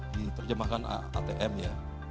di terjemahkan atm ya